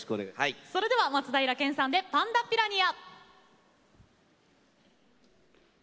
それでは松平健さんで「パンダピラニア」。